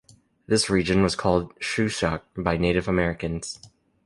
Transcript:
This region was called "Shushuck" by Native Americans.